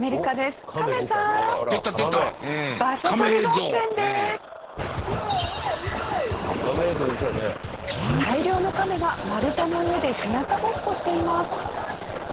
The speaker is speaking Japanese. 大量のカメが丸太の上で日向ぼっこしています。